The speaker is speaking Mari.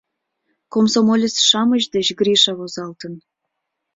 Комсомолец-шамыч деч Гриша возалтын.